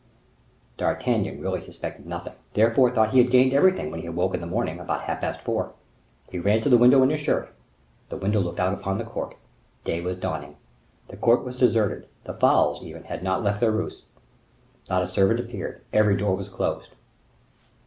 D'Artagnan really suspected nothing, therefore thought he had gained everything, when he awoke in the morning, about half past four. He ran to the window in his shirt. The window looked out upon the court. Day was dawning. The court was deserted; the fowls, even, had not left their roosts. Not a servant appeared. Every door was closed.